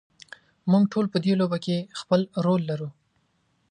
موږ ټول په دې لوبه کې خپل رول لرو.